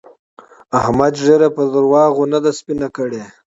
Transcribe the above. احمد ږيره په درواغو نه ده سپينه کړې.